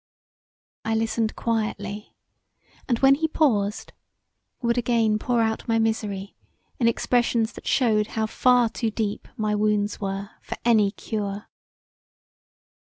I listened quietly, and when he paused would again pour out my misery in expressions that shewed how far too deep my wounds were for any cure.